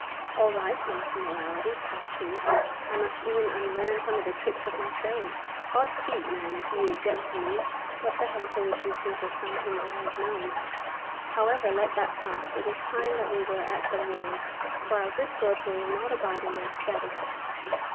'All right, Master Morality,' quoth he, 'I must e'en unlearn some of the tricks of my trade. Od's feet, man, if ye object to me, what the henker would ye think of some whom I have known? However, let that pass. It is time that we were at the wars, for our good swords will not bide in their scabbards.